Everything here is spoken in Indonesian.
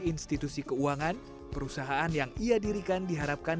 institusi keuangan perusahaan yang ia dirikan diharapkan